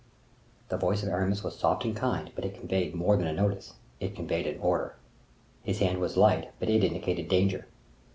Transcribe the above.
The voice of Aramis was soft and kind, but it conveyed more than a notice,—it conveyed an order. His hand was light, but it indicated danger.